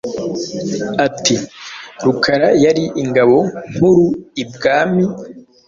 Ati“ Rukara yari ingabo nkuru i Bwami,